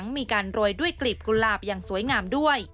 มีการโรยด้วยกลีบกุหลาบอย่างสวยงามด้วย